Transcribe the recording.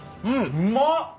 うまっ！